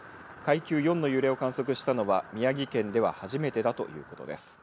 階級４の揺れを観測したのは宮城県では初めてだということです。